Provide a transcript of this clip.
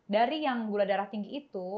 dari yang gula darah tinggi itu